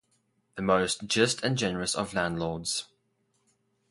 The most just and generous of landlords.